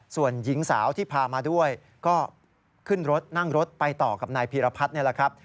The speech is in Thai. ส่วนหญิงสาวที่พามาด้วยก็ขึ้นรถนั่งรถไปต่อกับนายพีรพัฒน์นี่แหละครับ